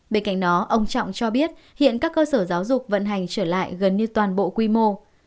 bên cạnh đó ông trọng cho biết hiện các cơ sở giáo dục vận hành trở lại gần như toàn bộ quy mô